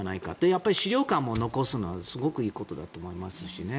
やっぱり史料館を残すのはすごくいいことだと思いますしね。